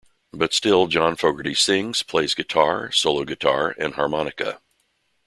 But still John Fogerty sings, plays guitar, solo-guitar and harmonica.